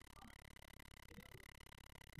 防空火力比起完工时已大幅提高。